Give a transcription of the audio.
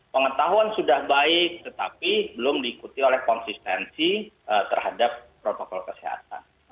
pengetahuan sudah baik tetapi belum diikuti oleh konsistensi terhadap protokol kesehatan